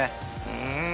うん！